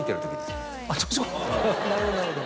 なるほどなるほど。